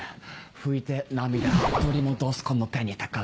拭いて涙、取り戻すこの手に宝